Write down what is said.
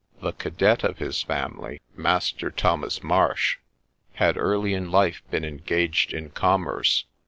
The cadet of his family, Master Thomas Marsh, had early in life been engaged in commerce.